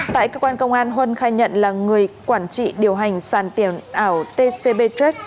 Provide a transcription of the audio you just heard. tại cơ quan công an huân khai nhận là người quản trị điều hành sàn tiền ảo tcb